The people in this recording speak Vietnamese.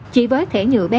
chỉ với thẻ nhựa bét